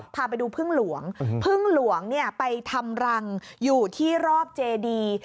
พาไปดูพึ่งหลวงพึ่งหลวงเนี่ยไปทำรังอยู่ที่รอบเจดี